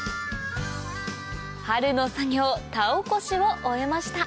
春の作業田起こしを終えました